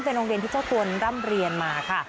เป็นโรงเรียนที่เจ้าตัวร่ำเรียนมาค่ะ